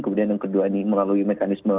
kemudian yang kedua ini melalui mekanisme